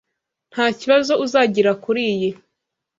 Ntakibazo uzagira kuriyi.